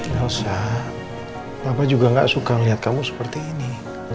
nilsa mama juga nggak suka lihat kamu seperti ini